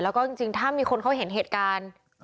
แล้วก็จริงถ้ามีคนเขาเห็นเหตุการณ์